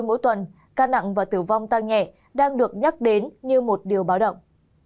nhưng mỗi tuần ca nặng và tử vong tăng nhẹ đang được nhắc đến như một điều bảo động